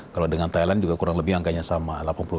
kalau dengan thailand juga kurang lebih angkanya sama